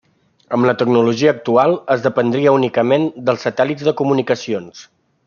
Amb la tecnologia actual, es dependria únicament, dels satèl·lits de comunicacions.